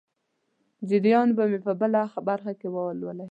جریان به یې په بله برخه کې ولولئ.